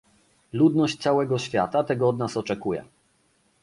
Ludność całego świata tego od nas oczekuje